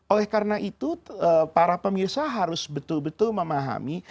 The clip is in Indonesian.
oleh karena itu para pemirsa harus betul betul memahami